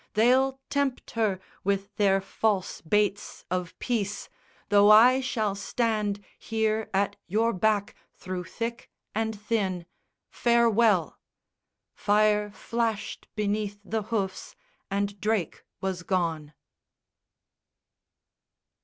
They'll tempt her With their false baits of peace, though I shall stand Here at your back through thick and thin; farewell!" Fire flashed beneath the hoofs and Drake was gone.